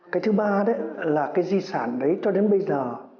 cái thứ ba là di sản đấy cho đến bây giờ